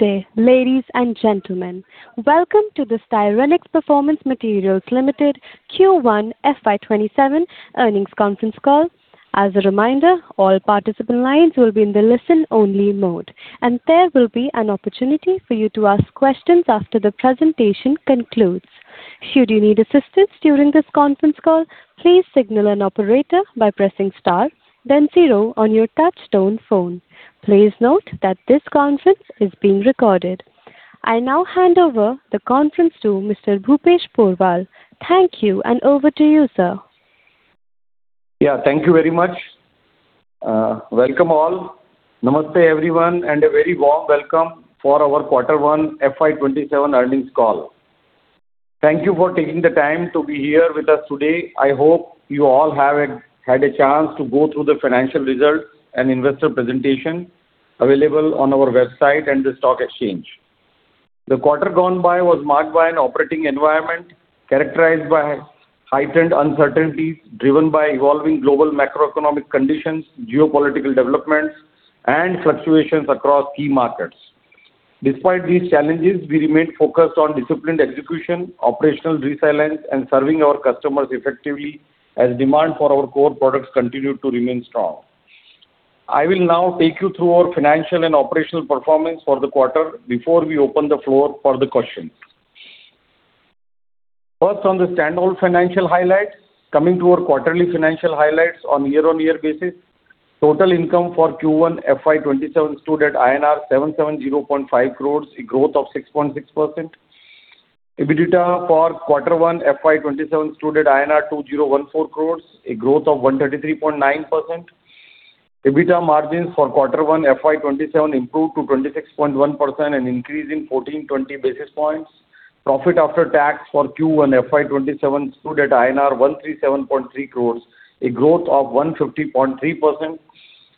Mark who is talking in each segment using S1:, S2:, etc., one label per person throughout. S1: Good day, ladies and gentlemen. Welcome to the Styrenix Performance Materials Limited Q1 FY 2027 earnings conference call. As a reminder, all participant lines will be in the listen-only mode, and there will be an opportunity for you to ask questions after the presentation concludes. Should you need assistance during this conference call, please signal an operator by pressing star then zero on your touch-tone phone. Please note that this conference is being recorded. I now hand over the conference to Mr. Bhupesh Porwal. Thank you, and over to you, sir.
S2: Thank you very much. Welcome all. Namaste, everyone, and a very warm welcome for our Q1 FY 2027 earnings call. Thank you for taking the time to be here with us today. I hope you all have had a chance to go through the financial results and investor presentation available on our website and the stock exchange. The quarter gone by was marked by an operating environment characterized by heightened uncertainties driven by evolving global macroeconomic conditions, geopolitical developments, and fluctuations across key markets. Despite these challenges, we remained focused on disciplined execution, operational resilience, and serving our customers effectively as demand for our core products continued to remain strong. I will now take you through our financial and operational performance for the quarter before we open the floor for the questions. First, on the standalone financial highlights. Coming to our quarterly financial highlights on a year-on-year basis, total income for Q1 FY 2027 stood at INR 770.5 crores, a growth of 6.6%. EBITDA for Q1 FY 2027 stood at INR 201.4 crores, a growth of 133.9%. EBITDA margins for Q1 FY 2027 improved to 26.1%, an increase in 1,420 basis points. Profit after tax for Q1 FY 2027 stood at INR 137.3 crores, a growth of 150.3%.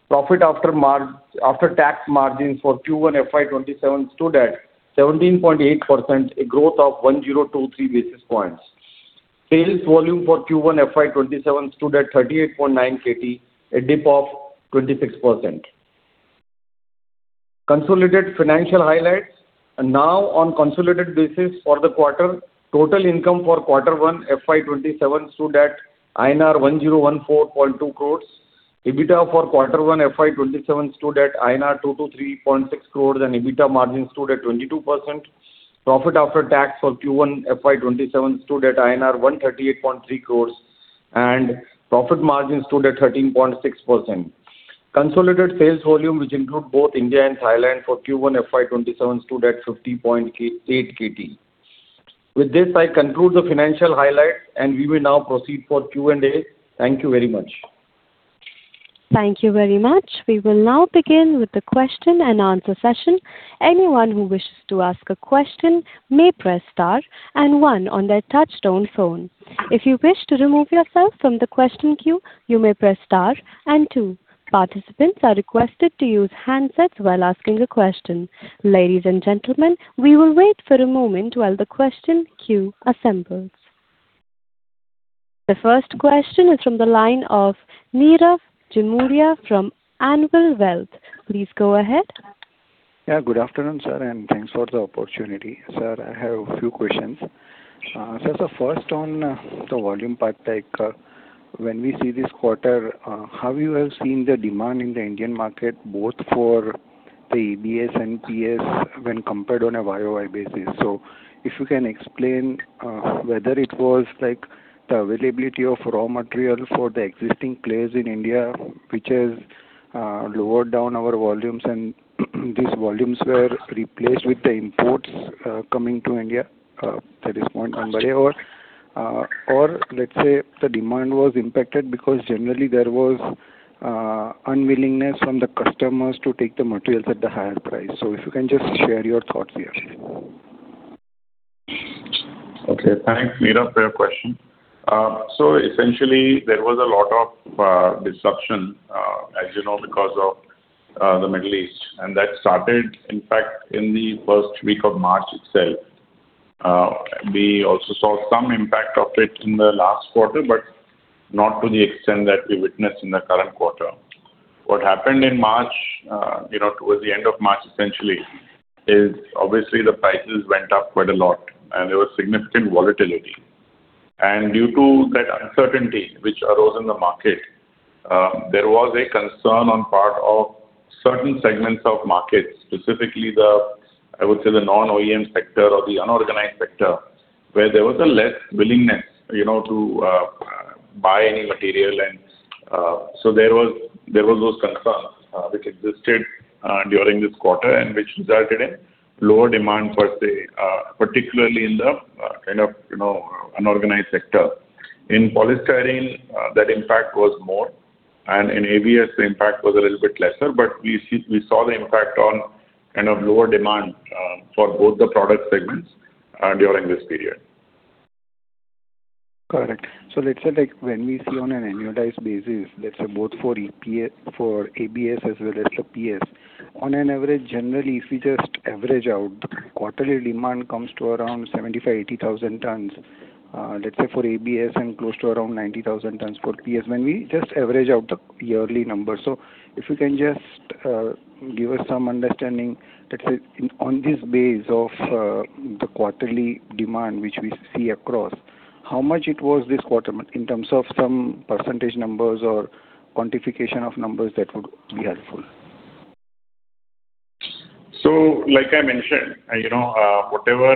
S2: Profit after tax margins for Q1 FY 2027 stood at 17.8%, a growth of 1,023 basis points. Sales volume for Q1 FY 2027 stood at 38.9 kt, a dip of 26%. Consolidated financial highlights. Now on a consolidated basis for the quarter, total income for Q1 FY 2027 stood at INR 1014.2 crores. EBITDA for Q1 FY 2027 stood at INR 223.6 crores, and EBITDA margins stood at 22%. Profit after tax for Q1 FY 2027 stood at INR 138.3 crores, and profit margins stood at 13.6%. Consolidated sales volume, which include both India and Thailand for Q1 FY 2027, stood at 50.8 kt. With this, I conclude the financial highlights, and we will now proceed for Q&A. Thank you very much.
S1: Thank you very much. We will now begin with the question-and-answer session. Anyone who wishes to ask a question may press star one on their touch-tone phone. If you wish to remove yourself from the question queue, you may press star two. Participants are requested to use handsets while asking a question. Ladies and gentlemen, we will wait for a moment while the question queue assembles. The first question is from the line of Nirav Jimudia from Anvil Wealth. Please go ahead.
S3: Good afternoon, sir, and thanks for the opportunity. Sir, I have a few questions. Sir, first on the volume part, when we see this quarter, how you have seen the demand in the Indian market both for the ABS and PS when compared on a year-over-year basis. If you can explain whether it was the availability of raw material for the existing players in India, which has lowered down our volumes and these volumes were replaced with the imports coming to India. That is one query. Let's say the demand was impacted because generally there was unwillingness from the customers to take the materials at the higher price. If you can just share your thoughts here.
S4: Okay, thanks, Nirav, for your question. Essentially, there was a lot of disruption, as you know, because of the Middle East. That started, in fact, in the first week of March itself. We also saw some impact of it in the last quarter, but not to the extent that we witnessed in the current quarter. What happened in March, towards the end of March, essentially, is obviously the prices went up quite a lot, and there was significant volatility. Due to that uncertainty which arose in the market, there was a concern on part of certain segments of markets, specifically the, I would say, the non-OEM sector or the unorganized sector, where there was a less willingness to buy any material. There was those concerns, which existed during this quarter and which resulted in lower demand, particularly in the unorganized sector. In polystyrene, that impact was more. In ABS, the impact was a little bit lesser, we saw the impact on lower demand for both the product segments during this period.
S3: Correct. Let's say when we see on an annualized basis, let's say both for ABS as well as for PS. On an average, generally, if we just average out, quarterly demand comes to around 75,000-80,000 tons, let's say for ABS and close to around 90,000 tons for PS, when we just average out the yearly numbers. If you can just give us some understanding, let's say on this base of the quarterly demand, which we see across. How much it was this quarter in terms of some percentage numbers or quantification of numbers, that would be helpful?
S4: Like I mentioned, whatever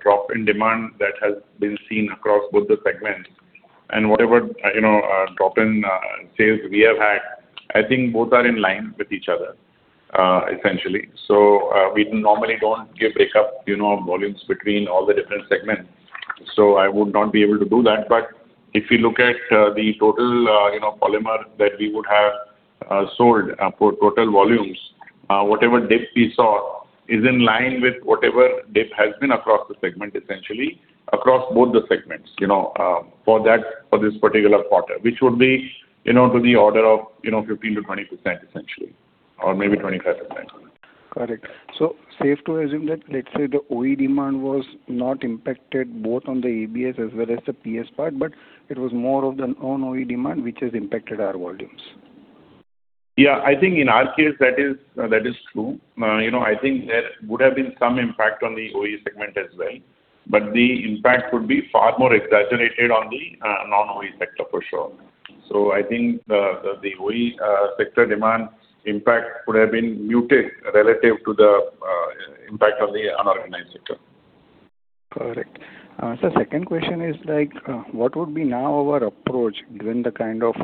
S4: drop in demand that has been seen across both the segments and whatever drop in sales we have had, I think both are in line with each other, essentially. We normally don't give breakup of volumes between all the different segments. I would not be able to do that. If you look at the total polymer that we would have sold for total volumes, whatever dip we saw is in line with whatever dip has been across the segment, essentially, across both the segments for this particular quarter, which would be to the order of 15%-20%, essentially, or maybe 25%.
S3: Correct. Safe to assume that, let's say, the OE demand was not impacted both on the ABS as well as the PS part, but it was more of the non-OE demand which has impacted our volumes?
S4: I think in our case that is true. I think there would have been some impact on the OE segment as well. The impact would be far more exaggerated on the non-OE sector for sure. I think the OE sector demand impact could have been muted relative to the impact on the unorganized sector.
S3: Correct. Sir, second question is what would be now our approach given the kind of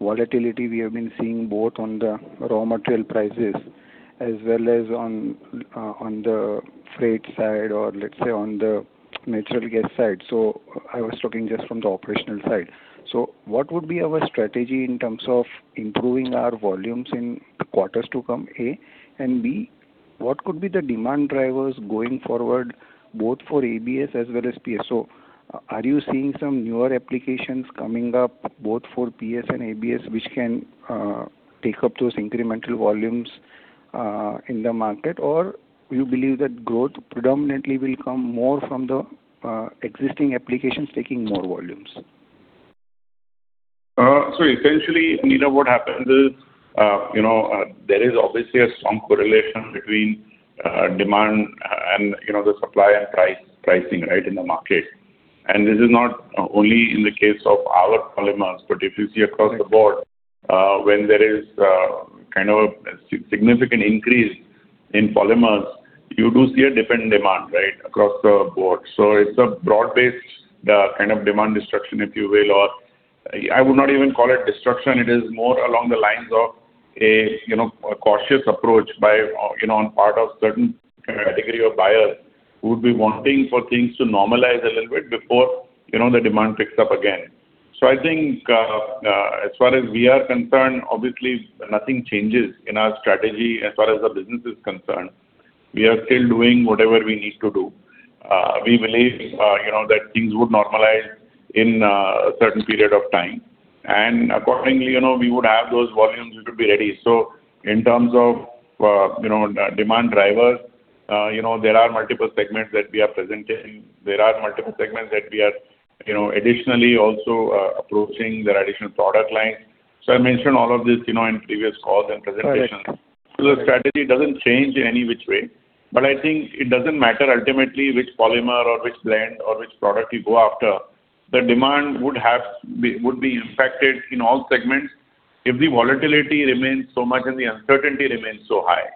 S3: volatility we have been seeing both on the raw material prices as well as on the freight side or let's say on the natural gas side? I was talking just from the operational side. What would be our strategy in terms of improving our volumes in the quarters to come, A? B, what could be the demand drivers going forward, both for ABS as well as PS? Are you seeing some newer applications coming up both for PS and ABS, which can take up those incremental volumes in the market? You believe that growth predominantly will come more from the existing applications taking more volumes?
S4: Essentially, what happens is, there is obviously a strong correlation between demand and the supply and pricing in the market. This is not only in the case of our polymers, but if you see across the board, when there is a significant increase in polymers, you do see a different demand across the board. It's a broad-based kind of demand destruction, if you will. I would not even call it destruction. It is more along the lines of a cautious approach on part of certain category of buyers who would be wanting for things to normalize a little bit before the demand picks up again. I think as far as we are concerned, obviously nothing changes in our strategy as far as the business is concerned. We are still doing whatever we need to do. We believe that things would normalize in a certain period of time, accordingly we would have those volumes which would be ready. In terms of demand drivers, there are multiple segments that we are presenting. There are multiple segments that we are additionally also approaching, there are additional product lines. I mentioned all of this in previous calls and presentations.
S3: Correct.
S4: The strategy doesn't change in any which way. I think it doesn't matter ultimately which polymer or which brand or which product you go after. The demand would be impacted in all segments if the volatility remains so much and the uncertainty remains so high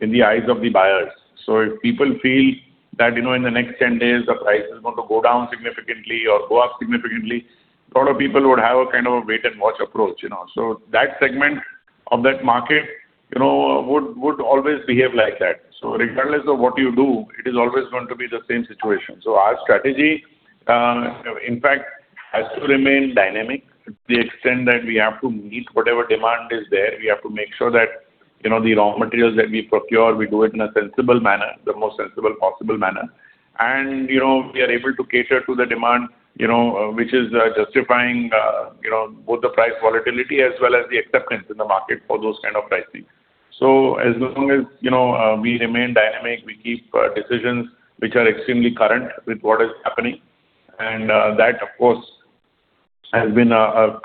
S4: in the eyes of the buyers. If people feel that in the next 10 days, the price is going to go down significantly or go up significantly, a lot of people would have a kind of a wait-and-watch approach. That segment of that market would always behave like that. Regardless of what you do, it is always going to be the same situation. Our strategy, in fact, has to remain dynamic to the extent that we have to meet whatever demand is there. We have to make sure that the raw materials that we procure, we do it in a sensible manner, the most sensible possible manner. We are able to cater to the demand which is justifying both the price volatility as well as the acceptance in the market for those kind of pricing. As long as we remain dynamic, we keep decisions which are extremely current with what is happening. That, of course, has been a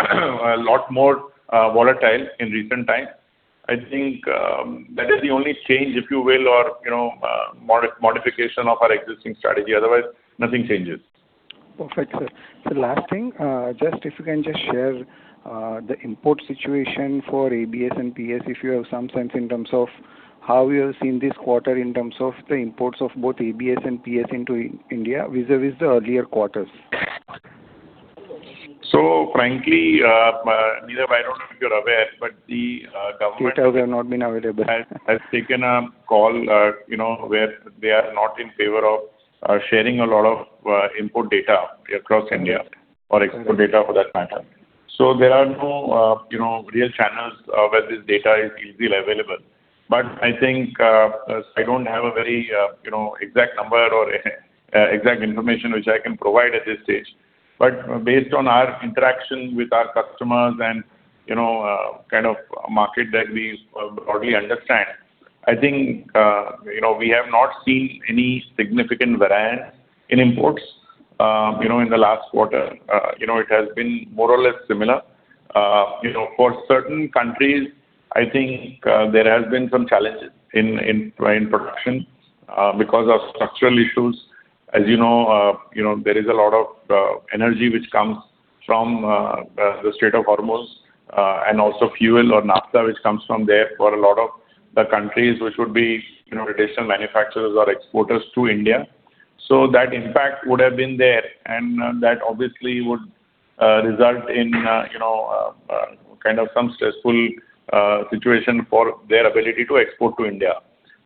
S4: lot more volatile in recent times. I think that is the only change, if you will, or modification of our existing strategy. Otherwise, nothing changes.
S3: Perfect, sir. Sir, last thing, if you can just share the import situation for ABS and PS, if you have some sense in terms of how you have seen this quarter in terms of the imports of both ABS and PS into India vis-à-vis the earlier quarters?
S4: Frankly, I don't know if you're aware, but the government-
S3: Data have not been available.
S4: Has taken a call where they are not in favor of sharing a lot of import data across India, or export data for that matter. There are no real channels where this data is easily available. I think I don't have a very exact number or exact information which I can provide at this stage. Based on our interactions with our customers and kind of market that we broadly understand, I think we have not seen any significant variance in imports in the last quarter. It has been more or less similar. For certain countries, I think there has been some challenges in production because of structural issues. As you know, there is a lot of energy which comes from the Strait of Hormuz, and also fuel or naphtha, which comes from there for a lot of the countries which would be traditional manufacturers or exporters to India. That impact would have been there, and that obviously would result in some kind of stressful situation for their ability to export to India.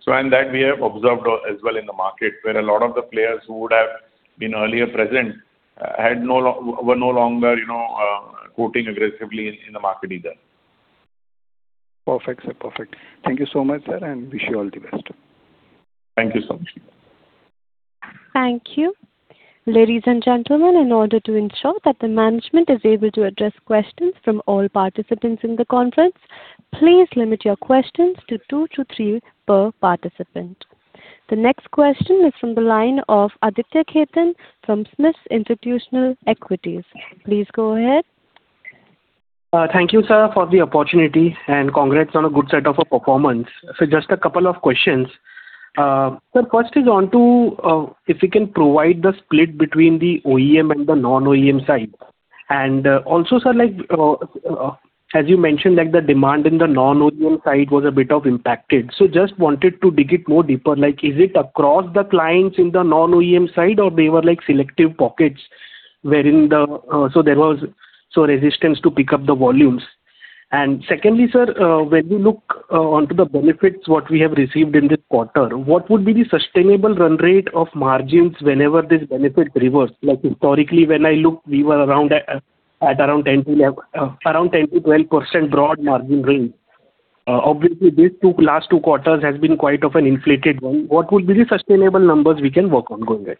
S4: That we have observed as well in the market, where a lot of the players who would have been earlier present were no longer quoting aggressively in the market either.
S3: Perfect, sir. Perfect. Thank you so much, sir, and wish you all the best.
S4: Thank you so much.
S1: Thank you. Ladies and gentlemen, in order to ensure that the management is able to address questions from all participants in the conference, please limit your questions to two to three per participant. The next question is from the line of Aditya Khetan from SMIFS Institutional Equities. Please go ahead.
S5: Thank you, sir, for the opportunity. Congrats on a good set of performance. Just a couple of questions. Sir, first is onto if we can provide the split between the OEM and the non-OEM side. Also, sir, as you mentioned, the demand in the non-OEM side was a bit impacted. Just wanted to dig it more deeper. Is it across the clients in the non-OEM side, or they were selective pockets so there was resistance to pick up the volumes? Secondly, sir, when we look onto the benefits, what we have received in this quarter, what would be the sustainable run rate of margins whenever this benefit reverts? Historically, when I look, we were at around 10%-12% broad margin range. Obviously, these last two quarters has been quite of an inflated one. What will be the sustainable numbers we can work on going ahead?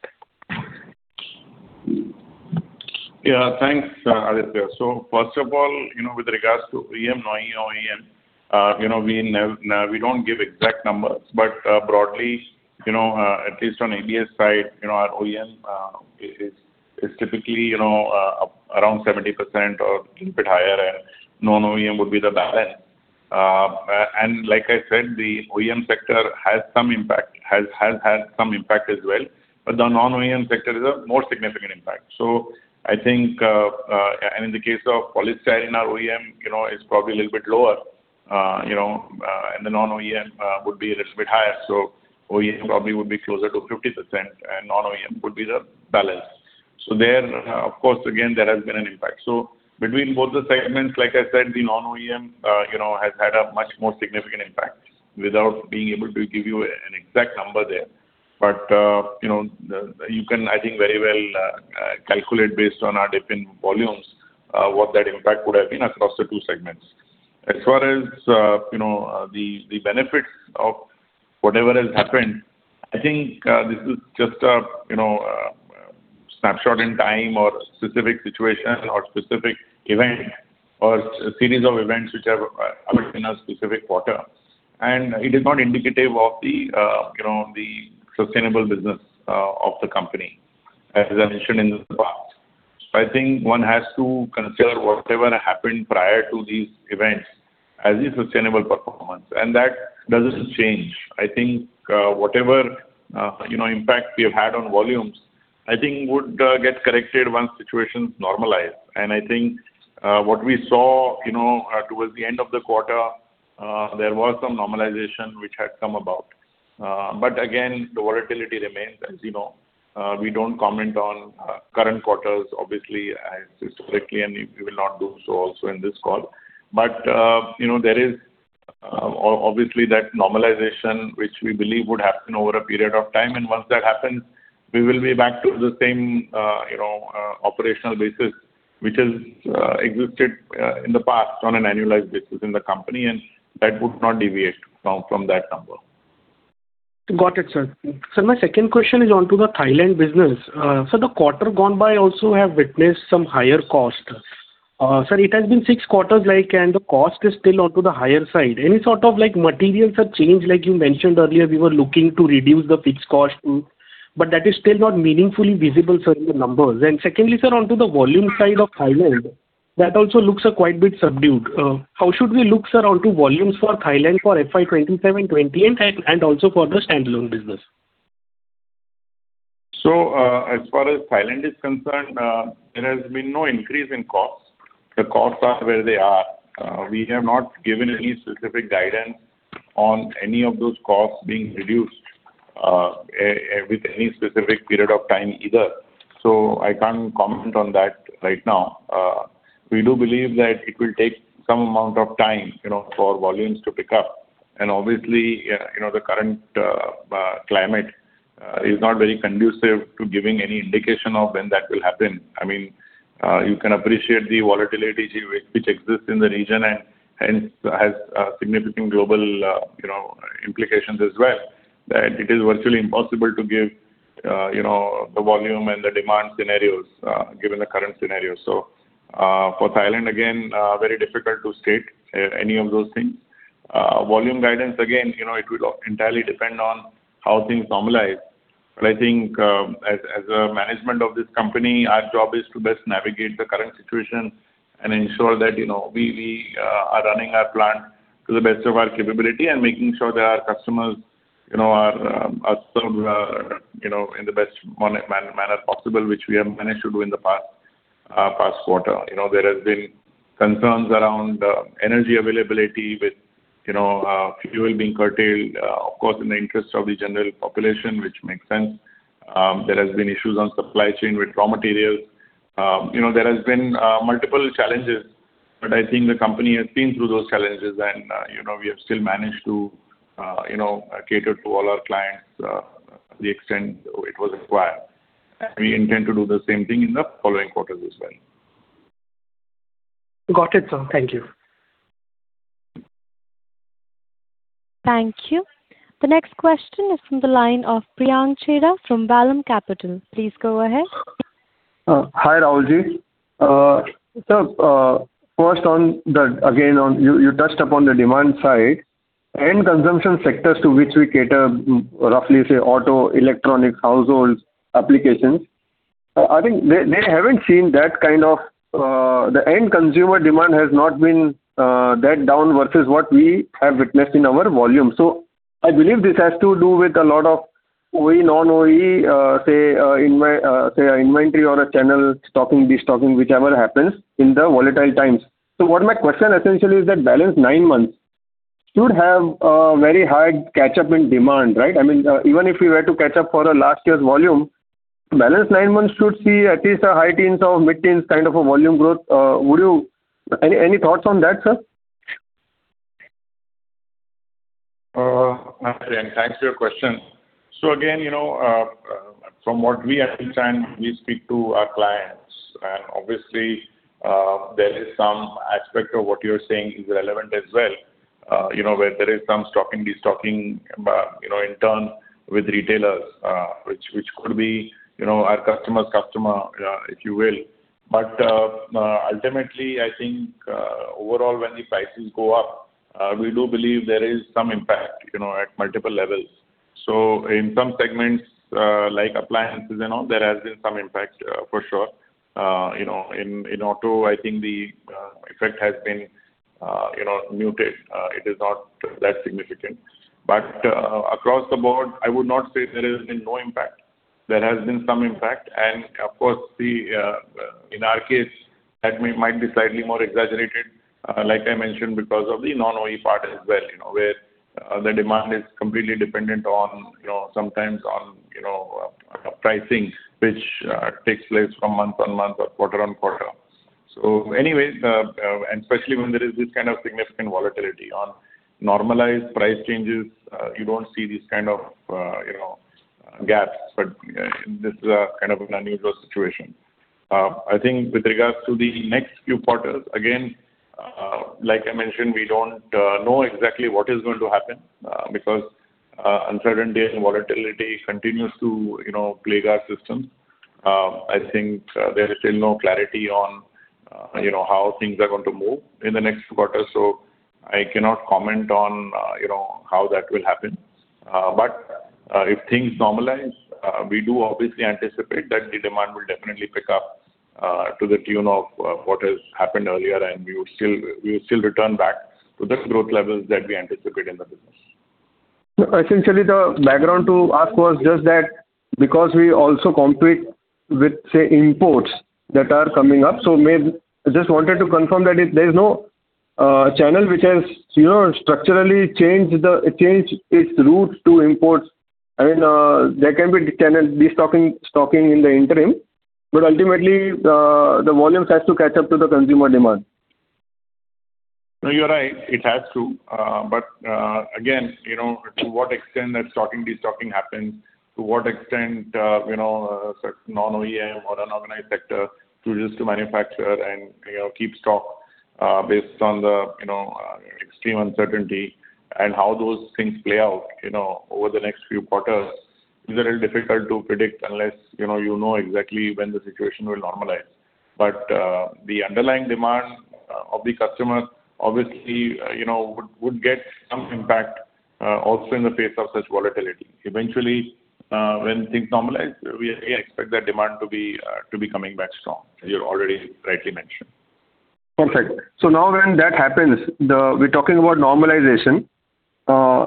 S4: Yeah, thanks, Aditya. First of all, with regards to OEM, non-OEM, we don't give exact numbers, but broadly, at least on India's side, our OEM is typically around 70% or a little bit higher, and non-OEM would be the balance. Like I said, the OEM sector has had some impact as well, but the non-OEM sector is a more significant impact. In the case of poly side in our OEM, it's probably a little bit lower, and the non-OEM would be a little bit higher. OEM probably would be closer to 50%, and non-OEM would be the balance. There, of course, again, there has been an impact. Between both the segments, like I said, the non-OEM has had a much more significant impact, without being able to give you an exact number there. You can, I think, very well calculate based on our dip in volumes what that impact would have been across the two segments. As far as the benefits of whatever has happened, I think this is just a snapshot in time or specific situation or specific event or series of events which have happened in a specific quarter, and it is not indicative of the sustainable business of the company, as I mentioned in the past. I think one has to consider whatever happened prior to these events as a sustainable performance, and that doesn't change. I think whatever impact we have had on volumes, I think would get corrected once situations normalize. I think what we saw towards the end of the quarter, there was some normalization which had come about. Again, the volatility remains, as you know. We don't comment on current quarters, obviously, historically, and we will not do so also in this call. There is obviously that normalization, which we believe would happen over a period of time, and once that happens, we will be back to the same operational basis which has existed in the past on an annualized basis in the company, and that would not deviate from that number.
S5: Got it, sir. Sir, my second question is onto the Thailand business. Sir, the quarter gone by also have witnessed some higher cost. Sir, it has been six quarters, and the cost is still onto the higher side. Any sort of materials have changed? Like you mentioned earlier, we were looking to reduce the fixed cost too, but that is still not meaningfully visible, sir, in the numbers. Secondly, sir, onto the volume side of Thailand, that also looks a quite bit subdued. How should we look, sir, onto volumes for Thailand for FY 2027, 2028, and also for the standalone business?
S4: As far as Thailand is concerned, there has been no increase in costs. The costs are where they are. We have not given any specific guidance on any of those costs being reduced with any specific period of time either, so I can't comment on that right now. We do believe that it will take some amount of time for volumes to pick up, and obviously, the current climate is not very conducive to giving any indication of when that will happen. You can appreciate the volatility which exists in the region and has significant global implications as well, that it is virtually impossible to give the volume and the demand scenarios given the current scenario. For Thailand, again, very difficult to state any of those things. Volume guidance, again, it will entirely depend on how things normalize. I think as a management of this company, our job is to best navigate the current situation and ensure that we are running our plant to the best of our capability and making sure that our customers are served in the best manner possible, which we have managed to do in the past quarter. There have been concerns around energy availability with fuel being curtailed, of course, in the interest of the general population, which makes sense. There has been issues on supply chain with raw materials. There have been multiple challenges, but I think the company has been through those challenges and we have still managed to cater to all our clients to the extent it was required. We intend to do the same thing in the following quarters as well.
S5: Got it, sir. Thank you.
S1: Thank you. The next question is from the line of Priyank Chheda from Vallum Capital. Please go ahead.
S6: Hi, Mr. Rahul. First, again, you touched upon the demand side. End consumption sectors to which we cater, roughly say auto, electronic, household applications, I think the end consumer demand has not been that down versus what we have witnessed in our volume. I believe this has to do with a lot of OE, non-OE, say, inventory or a channel stocking, destocking, whichever happens in the volatile times. What my question essentially is that balanced nine months should have a very high catch-up in demand, right? Even if we were to catch up for last year's volume, balanced nine months should see at least a high teens or mid-teens kind of a volume growth. Any thoughts on that, sir?
S4: Hi, thanks for your question. Again, from what we, at each time we speak to our clients, obviously there is some aspect of what you're saying is relevant as well, where there is some stocking, destocking, in turn with retailers, which could be our customer's customer, if you will. Ultimately, I think overall, when the prices go up, we do believe there is some impact at multiple levels. In some segments like appliances and all, there has been some impact for sure. In auto, I think the effect has been muted. It is not that significant. Across the board, I would not say there has been no impact. There has been some impact, of course, in our case, that might be slightly more exaggerated, like I mentioned, because of the non-OE part as well, where the demand is completely dependent sometimes on pricing, which takes place from month-on-month or quarter-on-quarter. Anyways, especially when there is this kind of significant volatility. On normalized price changes you don't see these kind of gaps, this is a kind of an unusual situation. I think with regards to the next few quarters, again, like I mentioned, we don't know exactly what is going to happen because uncertainty and volatility continues to plague our systems. I think there is still no clarity on how things are going to move in the next quarter, I cannot comment on how that will happen. If things normalize, we do obviously anticipate that the demand will definitely pick up to the tune of what has happened earlier, we would still return back to the growth levels that we anticipate in the business.
S6: The background to ask was just that because we also compete with imports that are coming up. Just wanted to confirm that there is no channel which has structurally changed its route to imports. There can be channel destocking, stocking in the interim, but ultimately, the volumes have to catch up to the consumer demand.
S4: No, you're right. It has to. Again, to what extent that stocking, destocking happens, to what extent certain non-OEM or unorganized sector chooses to manufacture and keep stock based on the extreme uncertainty and how those things play out over the next few quarters is a little difficult to predict unless you know exactly when the situation will normalize. The underlying demand of the customer, obviously, would get some impact also in the face of such volatility. Eventually, when things normalize, we expect that demand to be coming back strong, as you already rightly mentioned.
S6: Perfect. Now when that happens, we're talking about normalization.
S4: Yeah.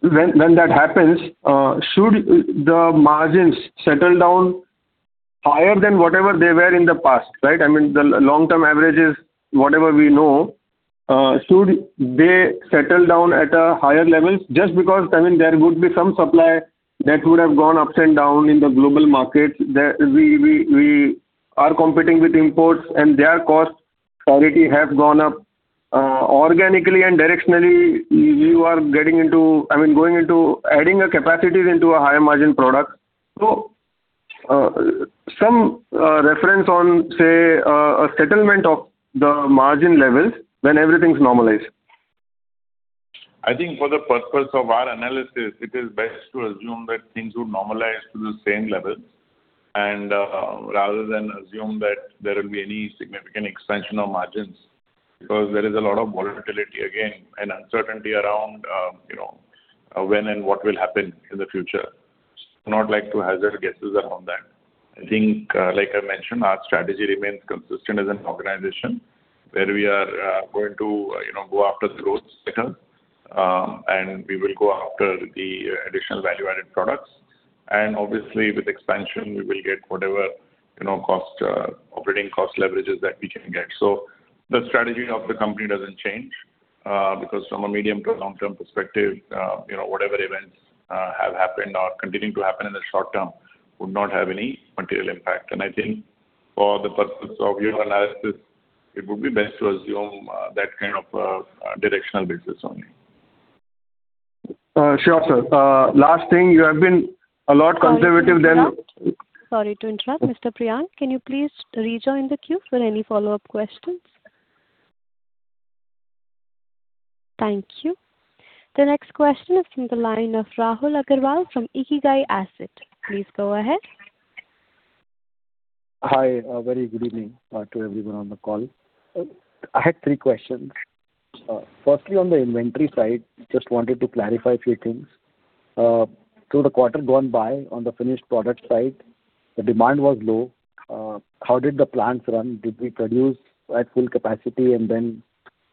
S6: When that happens, should the margins settle down higher than whatever they were in the past, right? The long-term averages, whatever we know, should they settle down at a higher level just because there would be some supply that would have gone ups and down in the global markets? We are competing with imports and their cost parity has gone up. Organically and directionally, you are adding capacities into a higher margin product. Some reference on, say, a settlement of the margin levels when everything's normalized.
S4: I think for the purpose of our analysis, it is best to assume that things would normalize to the same levels. Rather than assume that there will be any significant expansion of margins, because there is a lot of volatility again, and uncertainty around when and what will happen in the future. I would not like to hazard guesses around that. I think, like I mentioned, our strategy remains consistent as an organization, where we are going to go after the growth sector, and we will go after the additional value-added products. Obviously with expansion, we will get whatever operating cost leverages that we can get. The strategy of the company doesn't change, because from a medium to a long-term perspective, whatever events have happened or continue to happen in the short term would not have any material impact. I think for the purpose of your analysis, it would be best to assume that kind of directional basis only.
S6: Sure, sir. Last thing, you have been a lot conservative than-
S1: Sorry to interrupt. Mr. Priyank, can you please rejoin the queue for any follow-up questions? Thank you. The next question is from the line of Rahul Agarwal from Ikigai Asset. Please go ahead.
S7: Hi. A very good evening to everyone on the call. I had three questions. Firstly, on the inventory side, just wanted to clarify a few things. Through the quarter gone by, on the finished product side, the demand was low. How did the plants run? Did we produce at full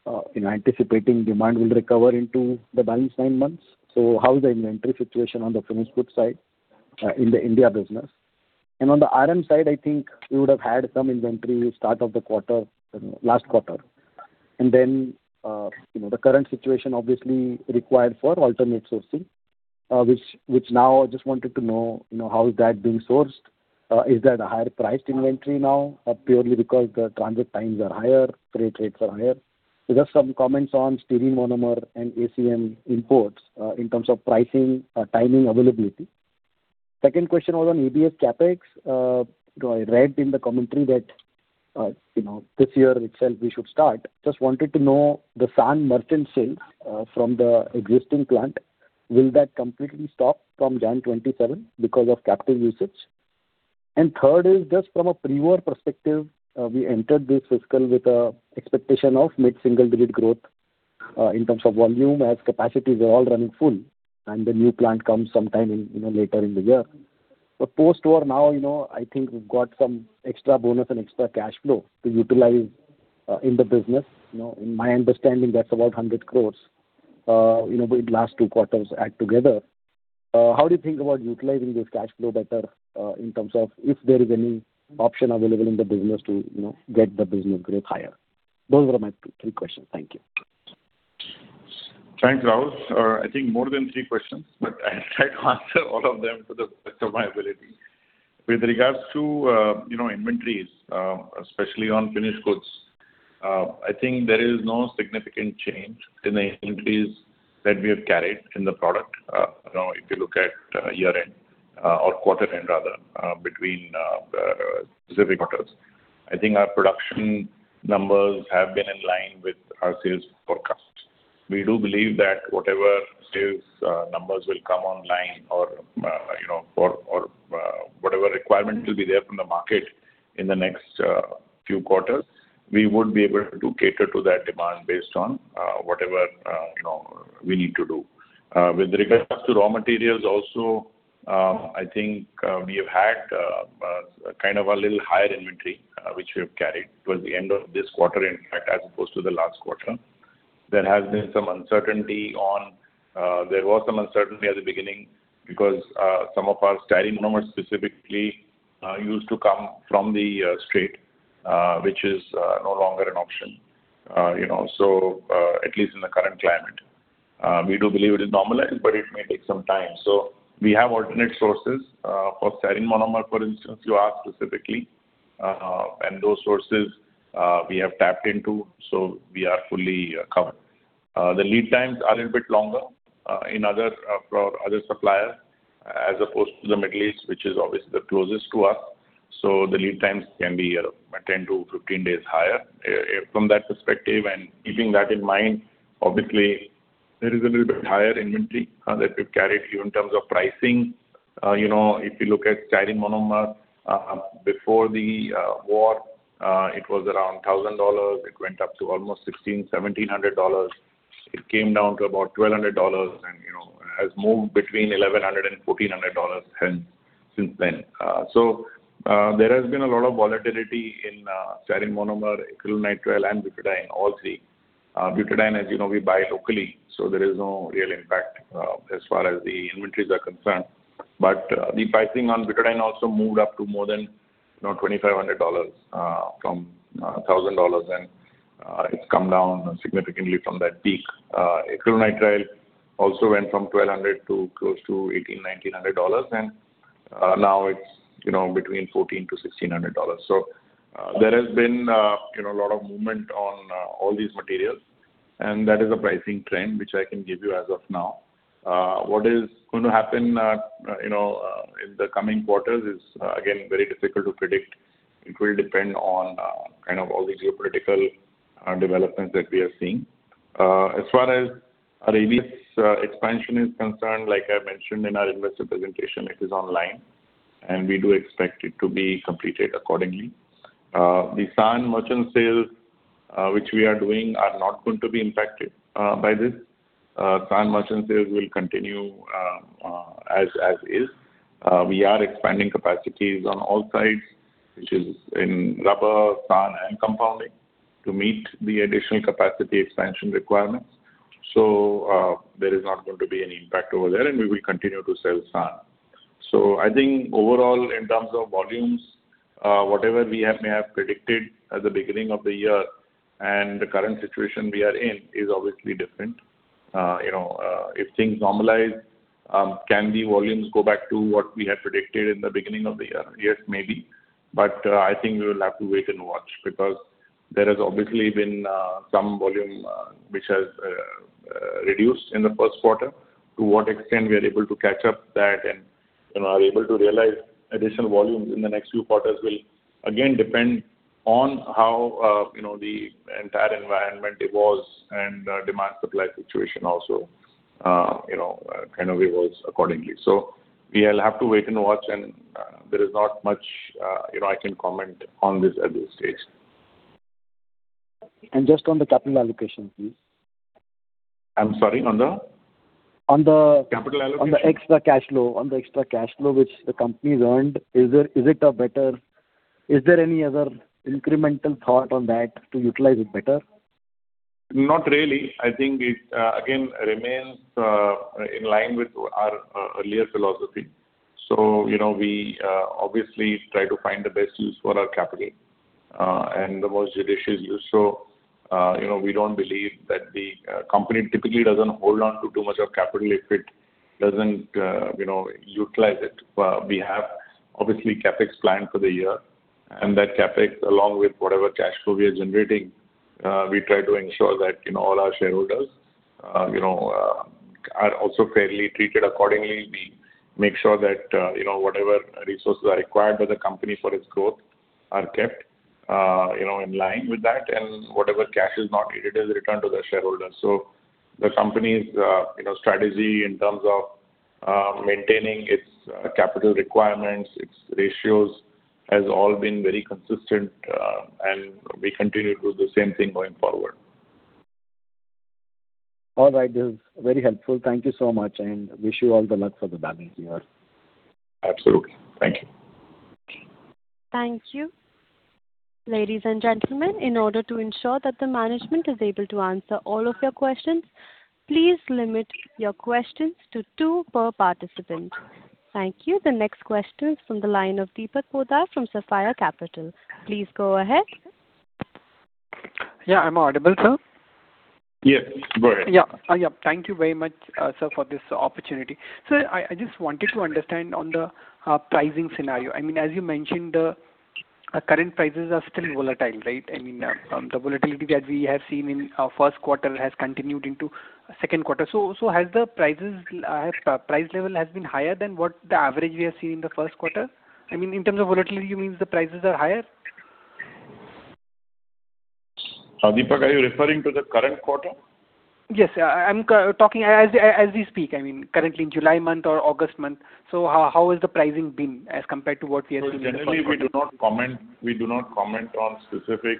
S7: capacity and then, anticipating demand will recover into the balance nine months? How is the inventory situation on the finished goods side in the India business? On the RM side, I think you would have had some inventory start of the quarter, last quarter. Then, the current situation obviously required for alternate sourcing, which now I just wanted to know how is that being sourced. Is that a higher priced inventory now, purely because the transit times are higher, freight rates are higher? Just some comments on styrene monomer and ACN imports in terms of pricing, timing, availability. Second question was on ABS CapEx. I read in the commentary that this year itself we should start. Just wanted to know the SAN merchant sale from the existing plant, will that completely stop from January 2027 because of capital usage? Third is just from a prewar perspective, we entered this fiscal with an expectation of mid-single digit growth in terms of volume as capacities were all running full, and the new plant comes sometime later in the year. Post-war now, I think we've got some extra bonus and extra cash flow to utilize in the business. In my understanding, that's about 100 crores with last two quarters add together. How do you think about utilizing this cash flow better in terms of if there is any option available in the business to get the business growth higher? Those were my three questions. Thank you.
S4: Thanks, Rahul. I think more than three questions, but I'll try to answer all of them to the best of my ability. With regards to inventories, especially on finished goods, I think there is no significant change in the inventories that we have carried in the product. If you look at year-end or quarter end rather, between specific quarters, I think our production numbers have been in line with our sales forecast. We do believe that whatever sales numbers will come online or whatever requirement will be there from the market in the next few quarters, we would be able to cater to that demand based on whatever we need to do. With regards to raw materials also, I think we have had a little higher inventory, which we have carried towards the end of this quarter, in fact, as opposed to the last quarter. There was some uncertainty at the beginning because some of our styrene monomers specifically used to come from the Strait, which is no longer an option. At least in the current climate. We do believe it is normalized, but it may take some time. We have alternate sources for styrene monomer, for instance, you asked specifically. Those sources we have tapped into, so we are fully covered. The lead times are a little bit longer for other suppliers, as opposed to the Middle East, which is obviously the closest to us, so the lead times can be 10-15 days higher. From that perspective and keeping that in mind, obviously, there is a little bit higher inventory that we've carried. In terms of pricing, if you look at styrene monomer, before the war, it was around $1,000. It went up to almost $1,600, $1,700. It came down to about $1,200 and has moved between $1,100 and $1,400 since then. There has been a lot of volatility in styrene monomer, acrylonitrile and butadiene, all three. Butadiene, as you know, we buy locally, so there is no real impact as far as the inventories are concerned. The pricing on butadiene also moved up to more than $2,500 from $1,000, and it's come down significantly from that peak. Acrylonitrile also went from $1,200 to close to $1,800, $1,900, and now it's between $1,400 and $1,600. There has been a lot of movement on all these materials, and that is a pricing trend which I can give you as of now. What is going to happen in the coming quarters is, again, very difficult to predict. It will depend on all the geopolitical developments that we are seeing. As far as ABS expansion is concerned, like I mentioned in our investor presentation, it is online, and we do expect it to be completed accordingly. The SAN merchant sales which we are doing are not going to be impacted by this. SAN merchant sales will continue as is. We are expanding capacities on all sides, which is in rubber, SAN, and compounding to meet the additional capacity expansion requirements. There is not going to be any impact over there, and we will continue to sell SAN. I think overall, in terms of volumes, whatever we may have predicted at the beginning of the year, and the current situation we are in is obviously different. If things normalize, can the volumes go back to what we had predicted in the beginning of the year? Yes, maybe. I think we will have to wait and watch, because there has obviously been some volume which has reduced in the first quarter. To what extent we are able to catch up that and are able to realize additional volumes in the next few quarters will, again, depend on how the entire environment evolves and demand supply situation also evolves accordingly. We'll have to wait and watch, and there is not much I can comment on this at this stage.
S7: Just on the capital allocation, please.
S4: I'm sorry, on the?
S7: On the-
S4: Capital allocation?
S7: On the extra cash flow which the company's earned. Is there any other incremental thought on that to utilize it better?
S4: Not really. I think it, again, remains in line with our earlier philosophy. We obviously try to find the best use for our capital, and the most judicious use. We don't believe that the company typically doesn't hold on to too much of capital if it doesn't utilize it. We have, obviously, CapEx planned for the year, and that CapEx, along with whatever cash flow we are generating, we try to ensure that all our shareholders are also fairly treated accordingly. We make sure that whatever resources are required by the company for its growth are kept in line with that, and whatever cash is not needed is returned to the shareholders. The company's strategy in terms of maintaining its capital requirements, its ratios, has all been very consistent, and we continue to do the same thing going forward.
S7: All right. This is very helpful. Thank you so much, and wish you all the luck for the balance of the year.
S4: Absolutely. Thank you.
S1: Thank you. Ladies and gentlemen, in order to ensure that the management is able to answer all of your questions, please limit your questions to two per participant. Thank you. The next question is from the line of Deepak Poddar from Sapphire Capital. Please go ahead.
S8: Yeah. Am I audible, sir?
S4: Yes. Go ahead.
S8: Yeah. Thank you very much, sir, for this opportunity. Sir, I just wanted to understand on the pricing scenario. As you mentioned, the current prices are still volatile, right? The volatility that we have seen in our first quarter has continued into second quarter. Has the price level has been higher than what the average we have seen in the first quarter? In terms of volatility, you mean the prices are higher?
S4: Deepak, are you referring to the current quarter?
S8: Yes. I'm talking as we speak. Currently in July month or August month. How has the pricing been as compared to what we have seen in the first quarter?
S4: Generally, we do not comment on specific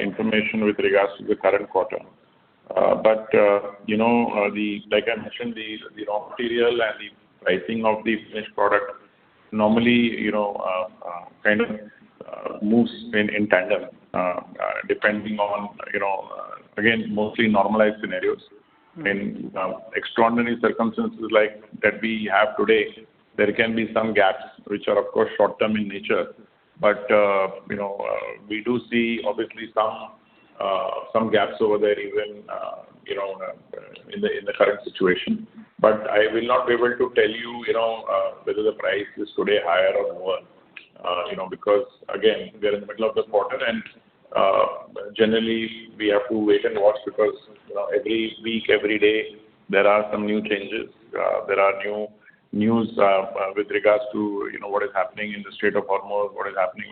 S4: information with regards to the current quarter. Like I mentioned, the raw material and the pricing of the finished product normally moves in tandem, depending on, again, mostly normalized scenarios. In extraordinary circumstances like that we have today, there can be some gaps, which are, of course, short-term in nature. We do see, obviously, some gaps over there even in the current situation. I will not be able to tell you whether the price is today higher or lower because, again, we are in the middle of the quarter, and generally, we have to wait and watch because every week, every day, there are some new changes. There are new news with regards to what is happening in the Strait of Hormuz, what is happening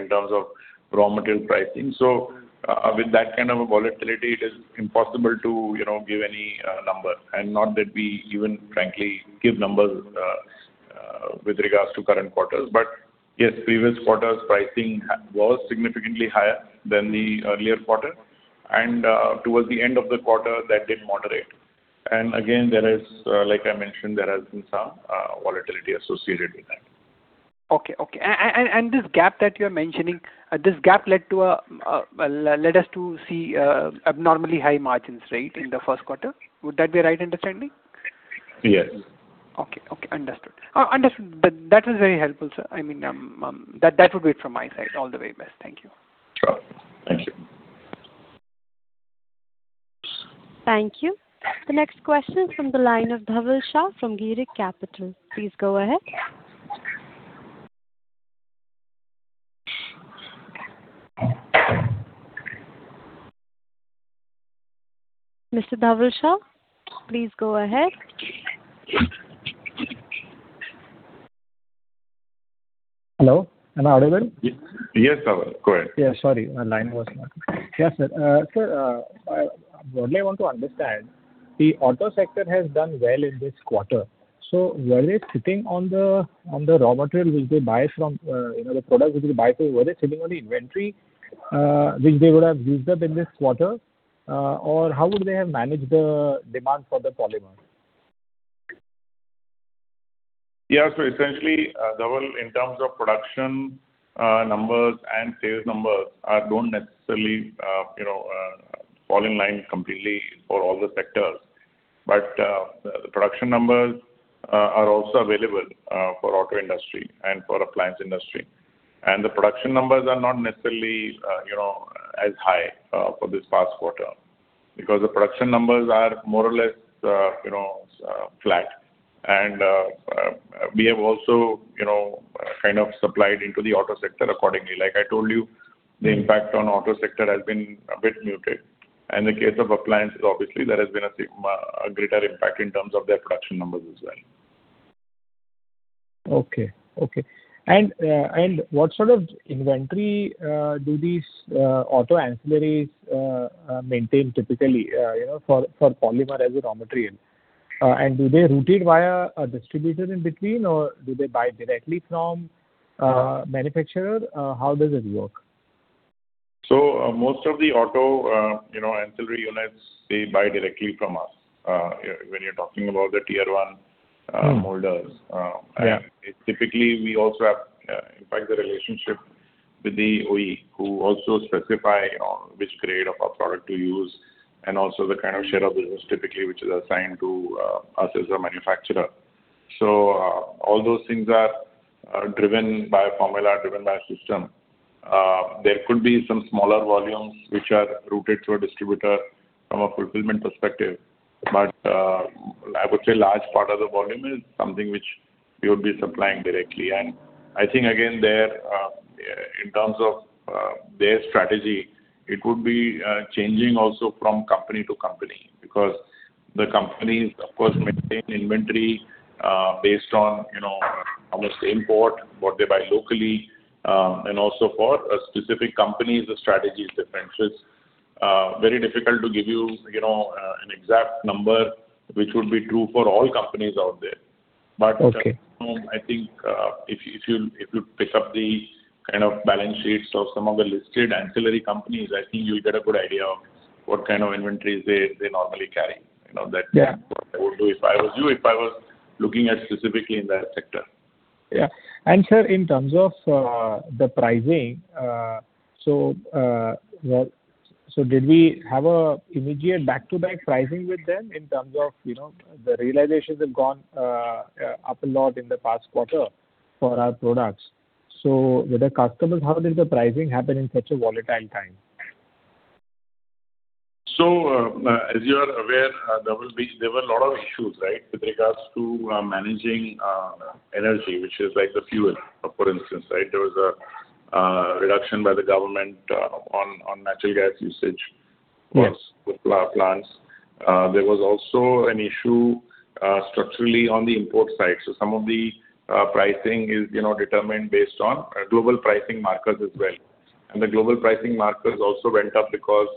S4: in terms of raw material pricing. With that kind of a volatility, it is impossible to give any number. Not that we even frankly give numbers with regards to current quarters. Yes, previous quarters pricing was significantly higher than the earlier quarter, and towards the end of the quarter, that did moderate. Again, like I mentioned, there has been some volatility associated with that.
S8: Okay. This gap that you're mentioning, this gap led us to see abnormally high margins, right, in the first quarter? Would that be a right understanding?
S4: Yes.
S8: Okay. Understood. That was very helpful, sir. That would be it from my side. All the very best. Thank you.
S4: Sure. Thank you.
S1: Thank you. The next question is from the line of Dhaval Shah from Girik Capital. Please go ahead. Mr. Dhaval Shah, please go ahead.
S9: Hello, am I audible?
S4: Yes, Dhaval. Go ahead.
S9: Sir, what I want to understand, the auto sector has done well in this quarter. Were they sitting on the raw material, the product which they buy, were they sitting on the inventory which they would have used up in this quarter? How would they have managed the demand for the polymer?
S4: Essentially, Dhaval, in terms of production numbers and sales numbers, don't necessarily fall in line completely for all the sectors. The production numbers are also available for auto industry and for appliance industry. The production numbers are not necessarily as high for this past quarter, because the production numbers are more or less flat. We have also kind of supplied into the auto sector accordingly. Like I told you, the impact on auto sector has been a bit muted. In the case of appliances, obviously, there has been a greater impact in terms of their production numbers as well.
S9: Okay. What sort of inventory do these auto ancillaries maintain typically for polymer as a raw material? Do they route it via a distributor in between, or do they buy directly from manufacturer? How does it work?
S4: Most of the auto ancillary units, they buy directly from us, when you're talking about the tier 1 molder.
S9: Yeah.
S4: Typically, we also have, in fact, the relationship with the OE, who also specify on which grade of a product to use and also the kind of share of business typically which is assigned to us as a manufacturer. All those things are driven by formula, are driven by system. There could be some smaller volumes which are routed through a distributor from a fulfillment perspective. I would say large part of the volume is something which we would be supplying directly. I think, again, there, in terms of their strategy, it would be changing also from company to company, because the companies, of course, maintain inventory based on how much they import, what they buy locally. Also for a specific company, the strategy is different. It's very difficult to give you an exact number which would be true for all companies out there.
S9: Okay.
S4: I think if you pick up the kind of balance sheets of some of the listed ancillary companies, I think you'll get a good idea of what kind of inventories they normally carry. That's what I would do if I was you, if I was looking at specifically in that sector.
S9: Yeah. Sir, in terms of the pricing, did we have an immediate back-to-back pricing with them in terms of the realizations have gone up a lot in the past quarter for our products? With the customers, how did the pricing happen in such a volatile time?
S4: As you are aware, Dhaval, there were a lot of issues, right, with regards to managing energy, which is like the fuel, for instance. There was a reduction by the government on natural gas usage with power plants. There was also an issue structurally on the import side. Some of the pricing is determined based on global pricing markers as well. The global pricing markers also went up because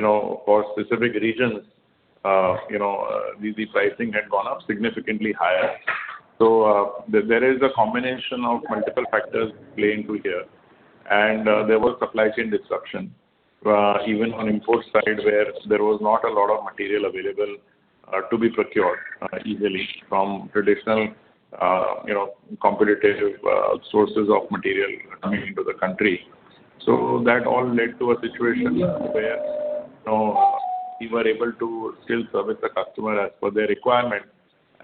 S4: for specific regions the pricing had gone up significantly higher. There is a combination of multiple factors playing through here. There was supply chain disruption, even on import side, where there was not a lot of material available to be procured easily from traditional competitive sources of material coming into the country. That all led to a situation where we were able to still service the customer as per their requirement.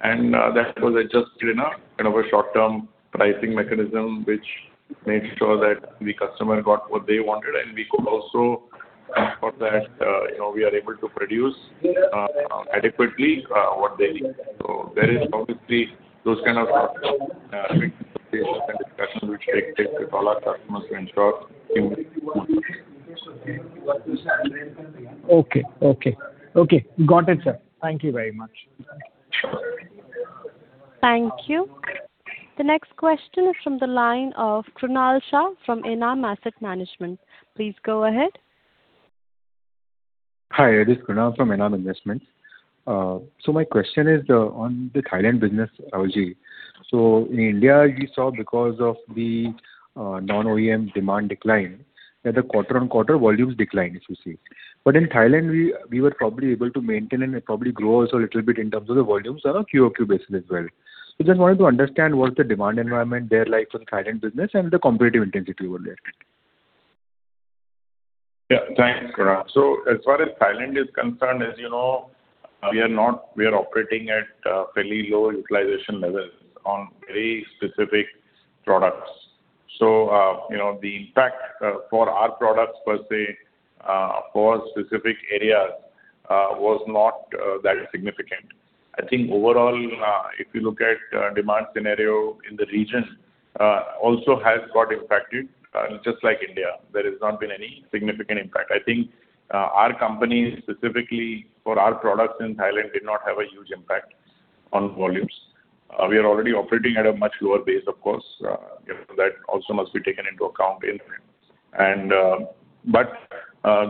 S4: That was adjusted in a kind of a short-term pricing mechanism, which made sure that the customer got what they wanted, and we could also ensure that we are able to produce adequately what they need. There is obviously those kind of discussions which take place with all our customers to ensure
S9: Okay. Got it, sir. Thank you very much.
S1: Thank you. The next question is from the line of Krunal Shah from ENAM Investments. Please go ahead.
S10: Hi, it is Krunal from ENAM Investments. My question is on the Thailand business, LG. In India, we saw because of the non-OEM demand decline, that the quarter-on-quarter volumes declined as you see. In Thailand, we were probably able to maintain and probably grow also a little bit in terms of the volumes on a quarter-on-quarter basis as well. Just wanted to understand what's the demand environment there like for the Thailand business and the competitive intensity over there?
S4: Thanks, Krunal. As far as Thailand is concerned, as you know, we are operating at fairly low utilization levels on very specific products. The impact for our products per se, for specific areas, was not that significant. Overall, if you look at demand scenario in the region, also has got impacted, just like India. There has not been any significant impact. Our company, specifically for our products in Thailand, did not have a huge impact on volumes. We are already operating at a much lower base, of course, that also must be taken into account.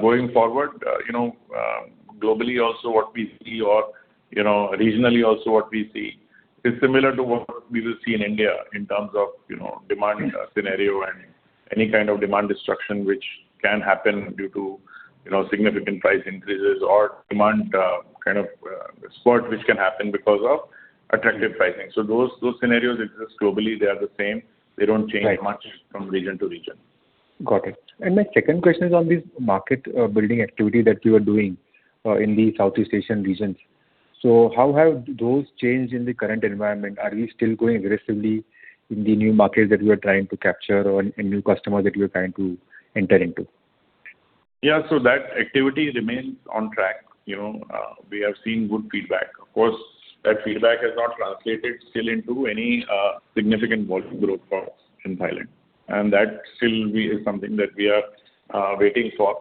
S4: Going forward, globally also what we see or regionally also what we see is similar to what we will see in India in terms of demand scenario and any kind of demand destruction which can happen due to significant price increases or demand spot which can happen because of attractive pricing. Those scenarios exist globally, they are the same. They don't change much from region to region.
S10: Got it. My second question is on this market building activity that you are doing in the Southeast Asian regions. How have those changed in the current environment? Are we still going aggressively in the new markets that we are trying to capture or any new customer that we are trying to enter into?
S4: That activity remains on track. We have seen good feedback. Of course, that feedback has not translated still into any significant volume growth for us in Thailand, and that still is something that we are waiting for.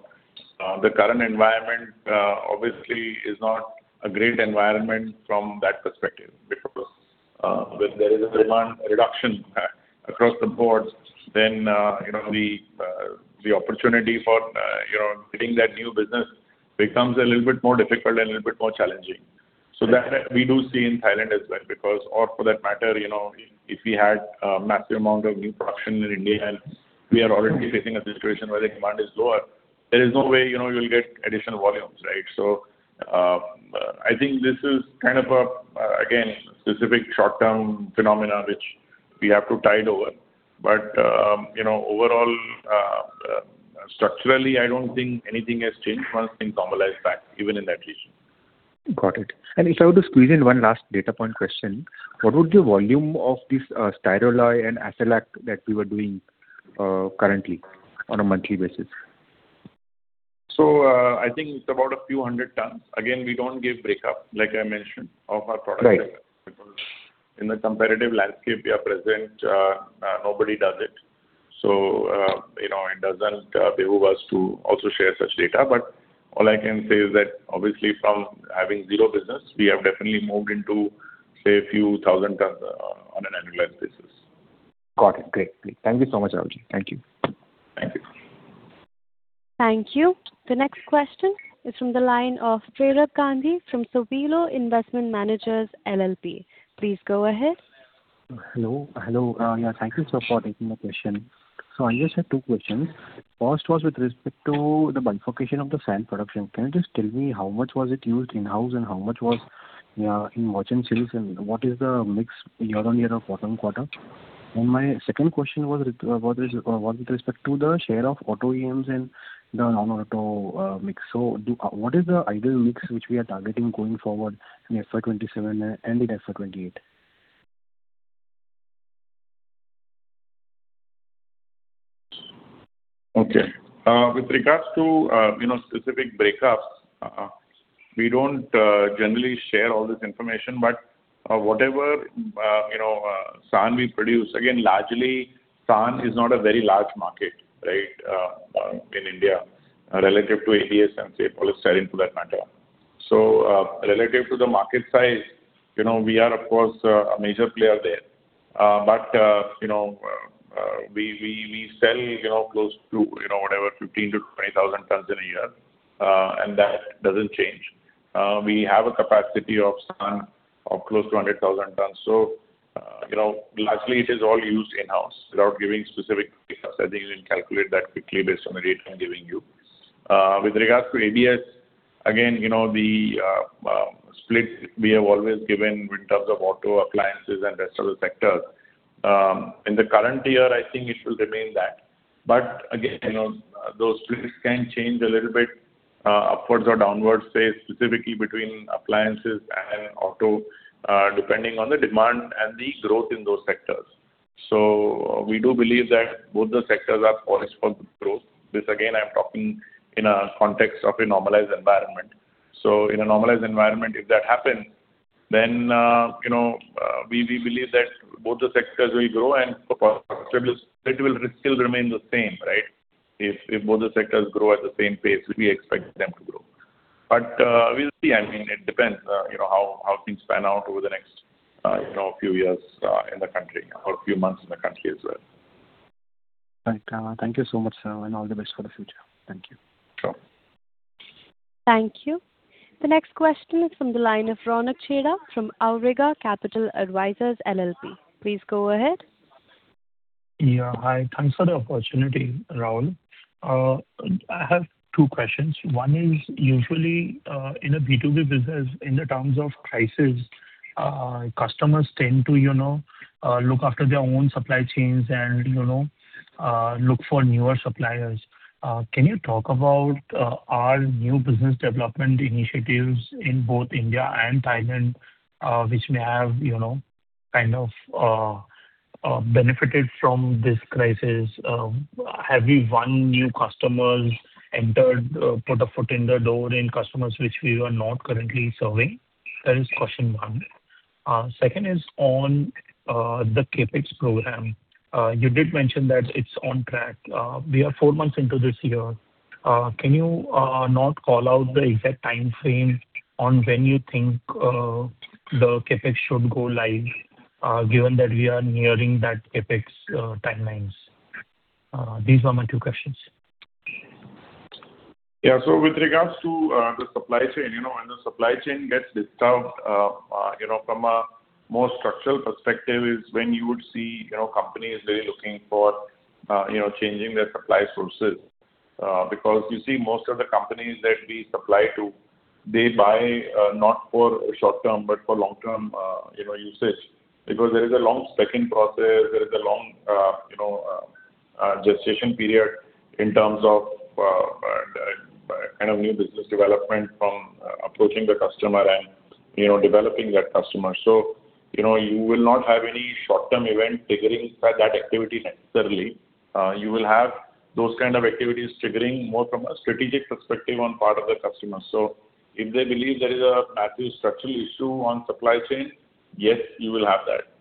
S4: The current environment obviously is not a great environment from that perspective, because when there is a demand reduction across the board, then the opportunity for getting that new business becomes a little bit more difficult and a little bit more challenging. That we do see in Thailand as well or for that matter, if we had a massive amount of new production in India and we are already facing a situation where the demand is lower, there is no way you'll get additional volumes, right? This is kind of a, again, specific short-term phenomena which we have to tide over. Overall, structurally, I don't think anything has changed once things normalize back, even in that region.
S10: Got it. If I were to squeeze in one last data point question, what would the volume of this Styrolux and Absolan that we were doing currently on a monthly basis?
S4: I think it's about a few hundred tons. Again, we don't give breakup, like I mentioned, of our product, in the competitive landscape we are present, nobody does it. It doesn't behove us to also share such data. All I can say is that obviously from having zero business, we have definitely moved into, say, a few thousand tons on an annualized basis.
S10: Got it. Great. Thank you so much, Mr. Rahul. Thank you.
S4: Thank you.
S1: Thank you. The next question is from the line of Prerak Gandhi from Sowilo Investment Managers LLP. Please go ahead.
S11: Hello. Thank you, sir, for taking the question. I just have two questions. First was with respect to the bifurcation of the SAN production. Can you just tell me how much was it used in-house and how much was in merchant sales, and what is the mix year-on-year of bottom quarter? My second question was with respect to the share of auto OEMs and the non-auto mix. What is the ideal mix which we are targeting going forward in FY 2027 and in FY 2028?
S4: Okay. With regards to specific breakups, we don't generally share all this information, whatever SAN we produce, again, largely, SAN is not a very large market, right, in India, relative to ABS and, say, polystyrene, for that matter. Relative to the market size, we are, of course, a major player there. We sell close to 15,000-20,000 tons in a year, and that doesn't change. We have a capacity of SAN of close to 100,000 tons. Lastly, it is all used in-house. Without giving specific details, I think you can calculate that quickly based on the data I'm giving you. With regards to ABS, again, the split we have always given in terms of auto, appliances, and rest of the sectors. In the current year, I think it will remain that. Again, those splits can change a little bit upwards or downwards, say, specifically between appliances and auto, depending on the demand and the growth in those sectors. We do believe that both the sectors are poised for good growth. This, again, I'm talking in a context of a normalized environment. In a normalized environment, if that happens, then we believe that both the sectors will grow and the percentage will still remain the same, right? If both the sectors grow at the same pace we expect them to grow. We'll see. It depends how things pan out over the next few years in the country or few months in the country as well.
S11: Right. Thank you so much, sir, and all the best for the future. Thank you.
S4: Sure.
S1: Thank you. The next question is from the line of Ronak Chheda from Awriga Capital Advisors LLP. Please go ahead.
S12: Hi. Thanks for the opportunity, Rahul. I have two questions. One is usually, in a B2B business, in the times of crisis, customers tend to look after their own supply chains and look for newer suppliers. Can you talk about our new business development initiatives in both India and Thailand, which may have benefited from this crisis? Have we won new customers, entered, put a foot in the door in customers which we are not currently serving? That is question one. Second is on the CapEx program. You did mention that it's on track. We are four months into this year. Can you not call out the exact timeframe on when you think the CapEx should go live, given that we are nearing that CapEx timelines? These were my two questions.
S4: With regards to the supply chain, when the supply chain gets disturbed, from a more structural perspective is when you would see companies really looking for changing their supply sources. Because you see, most of the companies that we supply to, they buy not for short-term, but for long-term usage. Because there is a long spec-in process, there is a long gestation period in terms of new business development from approaching the customer and developing that customer. You will not have any short-term event triggering that activity necessarily. You will have those kind of activities triggering more from a strategic perspective on part of the customer. If they believe there is a massive structural issue on supply chain, yes, you will have that.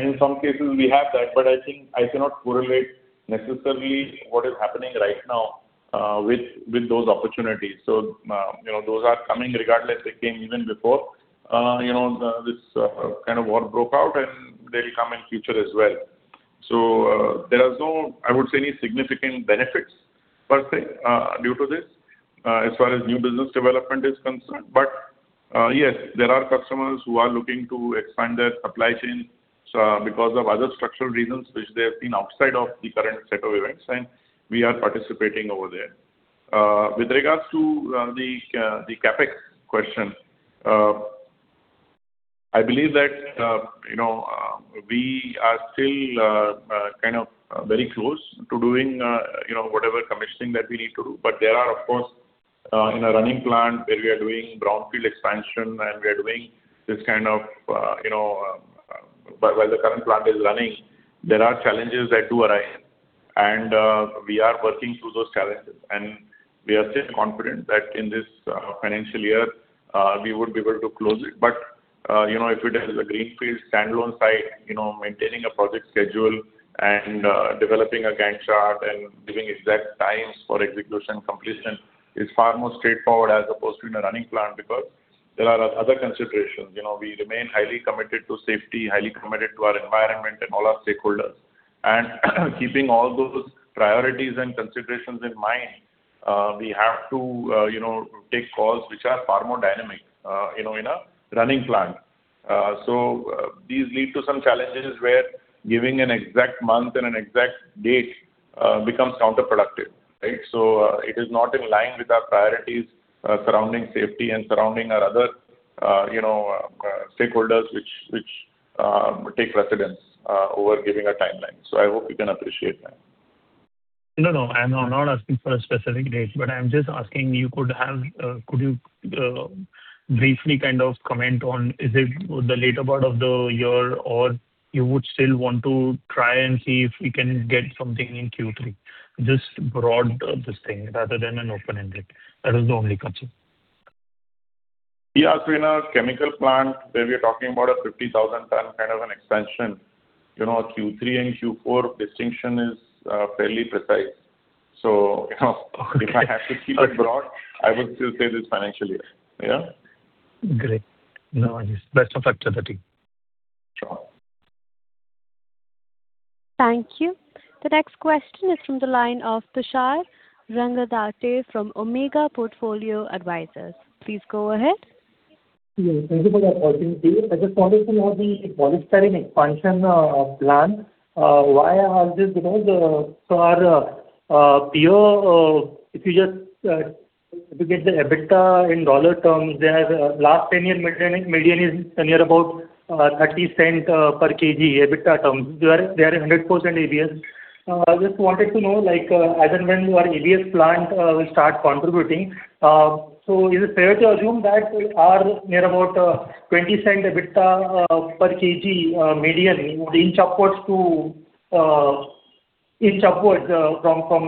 S4: In some cases, we have that, but I think I cannot correlate necessarily what is happening right now with those opportunities. Those are coming regardless. They came even before this war broke out, and they'll come in future as well. There are no, I would say, any significant benefits per se due to this, as far as new business development is concerned. Yes, there are customers who are looking to expand their supply chain because of other structural reasons which they've seen outside of the current set of events, and we are participating over there. With regards to the CapEx question, I believe that we are still very close to doing whatever commissioning that we need to do. There are, of course, in a running plant where we are doing brownfield expansion, and we are doing this, while the current plant is running, there are challenges that do arise. We are working through those challenges. We are still confident that in this financial year, we would be able to close it. If it is a greenfield standalone site, maintaining a project schedule and developing a Gantt chart and giving exact times for execution completion is far more straightforward as opposed to in a running plant because there are other considerations. We remain highly committed to safety, highly committed to our environment and all our stakeholders. Keeping all those priorities and considerations in mind, we have to take calls which are far more dynamic in a running plant. These lead to some challenges where giving an exact month and an exact date becomes counterproductive, right? It is not in line with our priorities surrounding safety and surrounding our other stakeholders, which take precedence over giving a timeline. I hope you can appreciate that.
S12: No, I'm not asking for a specific date, but I'm just asking, could you briefly kind of comment on, is it the later part of the year, or you would still want to try and see if we can get something in Q3? Just broad this thing rather than an open-ended. That is the only question.
S4: Yeah. In a chemical plant, where we are talking about a 50,000 ton kind of an expansion, a Q3 and Q4 distinction is fairly precise. If I have to keep it broad, I will still say this financial year. Yeah.
S12: Great. No worries. Best of luck to the team.
S4: Sure.
S1: Thank you. The next question is from the line of Tushar Raghatate from Omega Portfolio Advisors. Please go ahead.
S13: Yeah. Thank you for the opportunity. I just wanted to know the polystyrene expansion plan. Why I ask this because, our PO, if you just get the EBITDA in dollar terms, they have last 10-year median is near about $0.30 per kg EBITDA terms. They are 100% ABS. I just wanted to know, as and when your ABS plant will start contributing, is it fair to assume that our near about $0.20 EBITDA per kg median would inch upwards from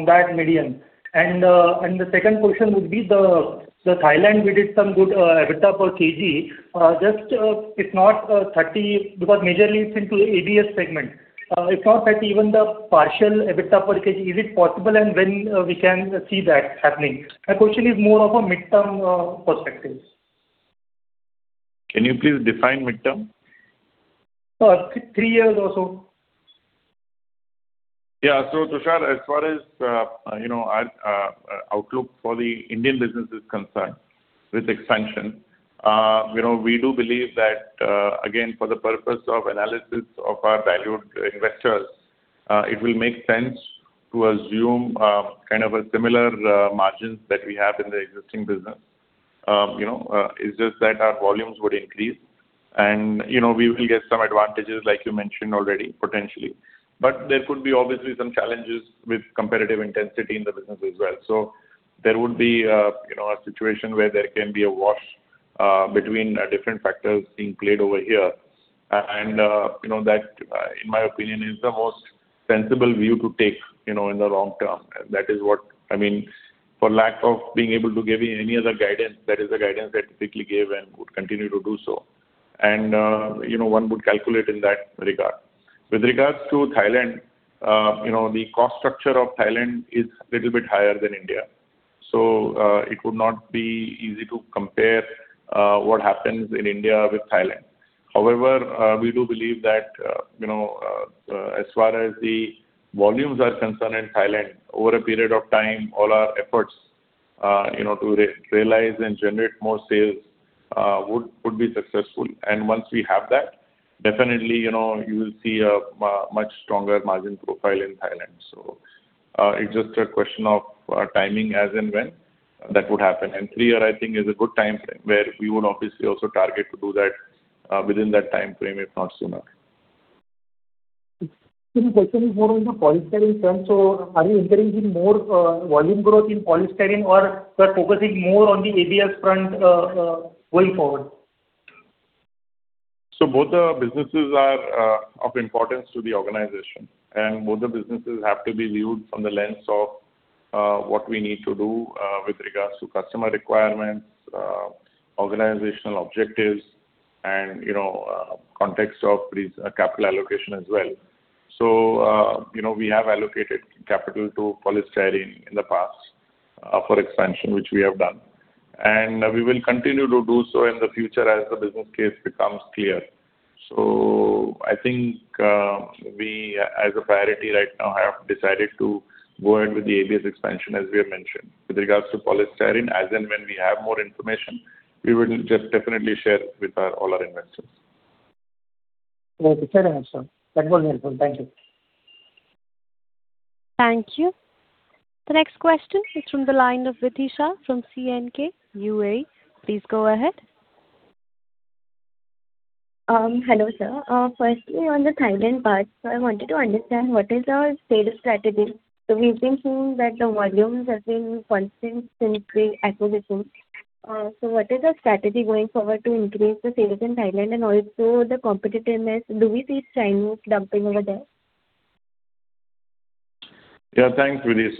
S13: that median? The second question would be the Thailand we did some good EBITDA per kg. Just if not $0.30, because majorly it's into ABS segment. If not that, even the partial EBITDA per kg, is it possible and when we can see that happening? My question is more of a midterm perspective.
S4: Can you please define midterm?
S13: Three years or so.
S4: Yeah. Tushar, as far as our outlook for the Indian business is concerned with expansion, we do believe that, again, for the purpose of analysis of our valued investors, it will make sense to assume kind of a similar margins that we have in the existing business. It is just that our volumes would increase and we will get some advantages like you mentioned already, potentially. There could be obviously some challenges with competitive intensity in the business as well. There would be a situation where there can be a wash between different factors being played over here. That, in my opinion, is the most sensible view to take in the long term. For lack of being able to give you any other guidance, that is the guidance I typically give and would continue to do so. One would calculate in that regard. With regards to Thailand, the cost structure of Thailand is a little bit higher than India. It would not be easy to compare what happens in India with Thailand. However, we do believe that as far as the volumes are concerned in Thailand, over a period of time, all our efforts to realize and generate more sales would be successful. Once we have that, definitely you will see a much stronger margin profile in Thailand. It is just a question of timing as in when that would happen. Three-year, I think, is a good time frame where we would obviously also target to do that within that time frame, if not sooner.
S13: The question is more on the polystyrene front. Are you entering in more volume growth in polystyrene or you are focusing more on the ABS front going forward?
S4: Both businesses are of importance to the organization, and both businesses have to be viewed from the lens of what we need to do with regards to customer requirements, organizational objectives and context of capital allocation as well. We have allocated capital to polystyrene in the past for expansion, which we have done. We will continue to do so in the future as the business case becomes clear. I think we, as a priority right now, have decided to go in with the ABS expansion as we have mentioned. With regards to polystyrene, as and when we have more information, we will just definitely share with all our investors.
S13: Great. Fair enough, sir. That was helpful. Thank you.
S1: Thank you. The next question is from the line of Vidhi Shah from CNK UAE. Please go ahead.
S14: Hello, sir. Firstly, on the Thailand part, I wanted to understand what is our sales strategy. We've been seeing that the volumes have been consistently acquisition. What is the strategy going forward to increase the sales in Thailand and also the competitiveness? Do we see Chinese dumping over there?
S4: Yeah, thanks, Vidhi. As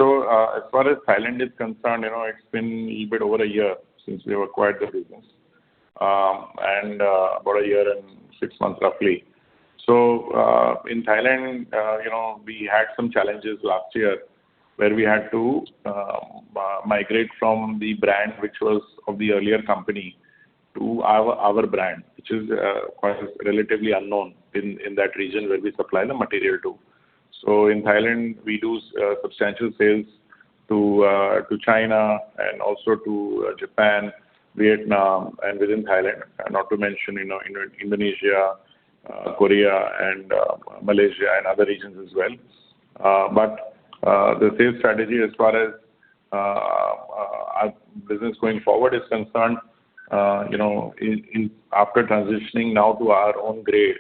S4: far as Thailand is concerned, it's been a little bit over a year since we've acquired the business. About 1.6 years, roughly. In Thailand we had some challenges last year where we had to migrate from the brand which was of the earlier company to our brand, which is quite relatively unknown in that region where we supply the material to. In Thailand, we do substantial sales to China and also to Japan, Vietnam and within Thailand, not to mention Indonesia, Korea and Malaysia and other regions as well. The sales strategy as far as our business going forward is concerned, after transitioning now to our own grade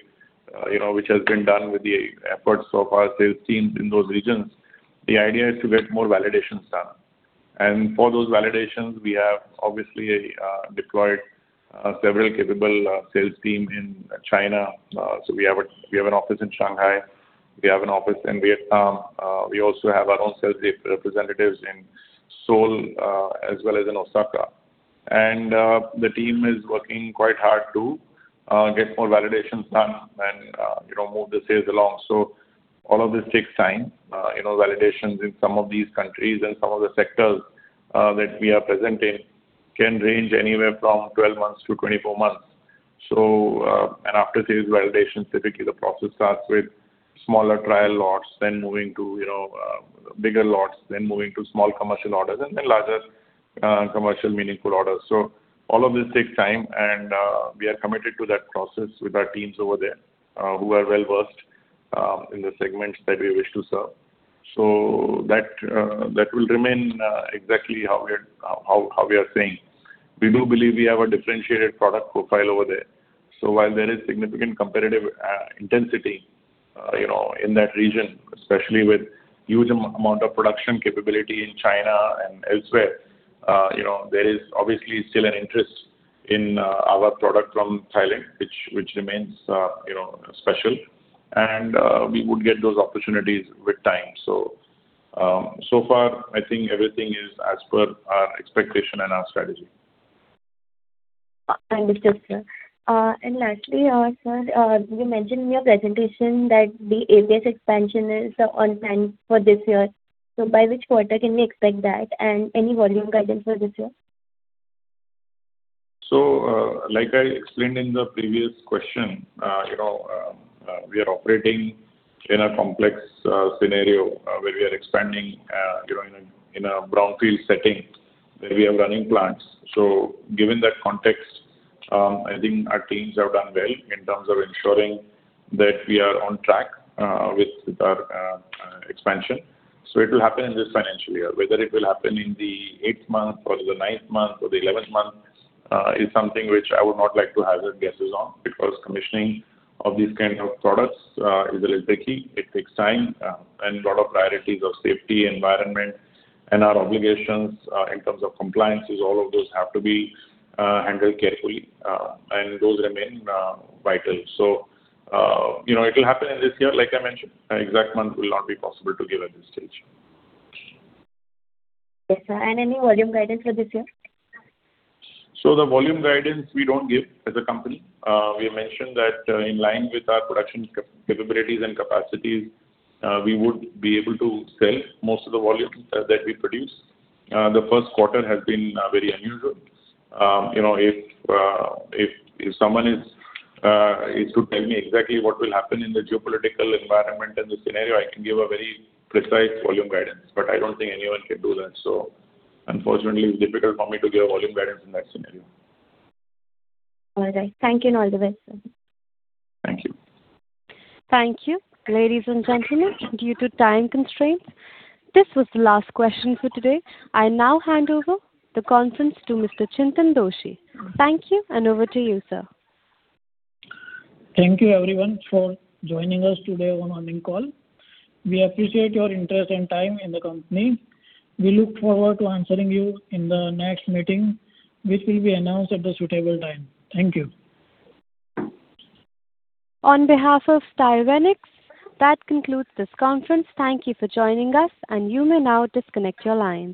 S4: which has been done with the efforts of our sales teams in those regions, the idea is to get more validations done. For those validations, we have obviously deployed several capable sales team in China. We have an office in Shanghai, we have an office in Vietnam. We also have our own sales representatives in Seoul as well as in Osaka. The team is working quite hard to get more validations done and move the sales along. All of this takes time. Validations in some of these countries and some of the sectors that we are present in can range anywhere from 12-24 months. After sales validation, typically the process starts with smaller trial lots, then moving to bigger lots, then moving to small commercial orders and then larger commercial meaningful orders. All of this takes time and we are committed to that process with our teams over there who are well-versed in the segments that we wish to serve. That will remain exactly how we are saying. We do believe we have a differentiated product profile over there. While there is significant competitive intensity in that region, especially with huge amount of production capability in China and elsewhere, there is obviously still an interest in our product from Thailand, which remains special and we would get those opportunities with time. So far, I think everything is as per our expectation and our strategy.
S14: Understood, sir. Lastly, sir, you mentioned in your presentation that the ABS expansion is on plan for this year. By which quarter can we expect that and any volume guidance for this year?
S4: Like I explained in the previous question, we are operating in a complex scenario where we are expanding in a brownfield setting where we have running plants. Given that context, I think our teams have done well in terms of ensuring that we are on track with our expansion. It will happen in this financial year. Whether it will happen in the eighth month or the ninth month or the 11th month is something which I would not like to hazard guesses on because commissioning of these kind of products is a little tricky. It takes time and lot of priorities of safety, environment and our obligations in terms of compliances, all of those have to be handled carefully and those remain vital. It will happen in this year, like I mentioned. An exact month will not be possible to give at this stage.
S14: Yes, sir. Any volume guidance for this year?
S4: The volume guidance we don't give as a company. We mentioned that in line with our production capabilities and capacities we would be able to sell most of the volume that we produce. The first quarter has been very unusual. If someone is to tell me exactly what will happen in the geopolitical environment and the scenario, I can give a very precise volume guidance. I don't think anyone can do that. Unfortunately, it's difficult for me to give volume guidance in that scenario.
S14: All right. Thank you and all the best, sir.
S4: Thank you.
S1: Thank you. Ladies and gentlemen, due to time constraints, this was the last question for today. I now hand over the conference to Mr. Chintan Doshi. Thank you and over to you, sir.
S15: Thank you everyone for joining us today on the call. We appreciate your interest and time in the company. We look forward to answering you in the next meeting which will be announced at the suitable time. Thank you.
S1: On behalf of Styrenix, that concludes this conference. Thank you for joining us and you may now disconnect your lines.